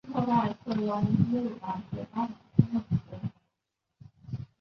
出席本次年会多为亚洲各国政要及商界领袖。